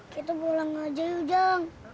kita pulang aja yuk jeng